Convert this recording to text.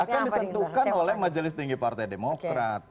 akan ditentukan oleh majelis tinggi partai demokrat